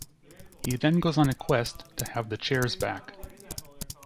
He then goes on a quest to have the chairs back.